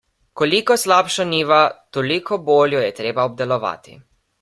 Koliko slabša njiva, toliko bolj jo je treba obdelovati.